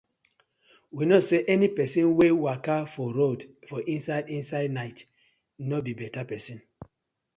We kno say any pesin wey waka for road for inside inside night no bi beta pesin.